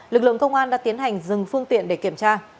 lực lượng công an đã tiến hành dừng phương tiện để kiểm tra